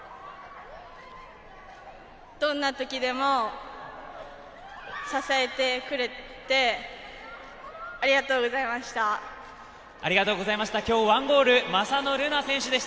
どんなときでも支えてくれてありがとうございました。